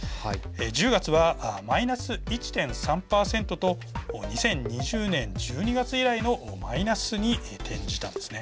１０月はマイナス１．３％と２０２０年１２月以来のマイナスに転じたんですね。